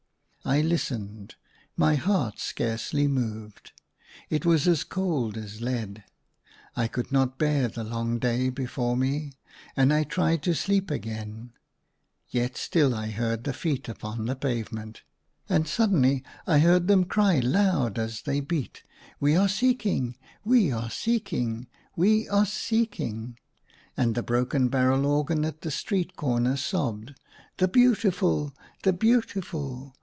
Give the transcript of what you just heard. I listened : my heart scarcely moved ; it was as cold as lead. I could not bear the long day before me ; and I tried to sleep again; yet still I heard the feet upon the pavement. And suddenly I heard them cry loud as they beat, We are seek'ng !— we are seeking ! 1 82 SUNLIGHT LA Y ACROSS MY BED. — we are seeking !" and the broken barrel organ at the street corner sobbed, " The Beautiful !— the Beautiful